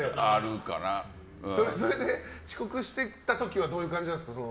それで遅刻していった時はどういう感じなんですか？